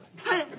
はい。